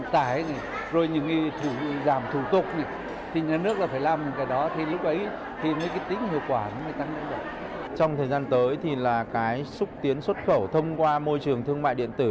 trong thời gian tới thì là cái xúc tiến xuất khẩu thông qua môi trường thương mại điện tử